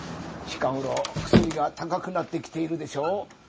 近頃薬が高くなってきているでしょう？